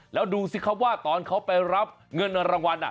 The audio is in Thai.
แล้วดูสิครับว่าตอนเขาไปรับเงินรางวัล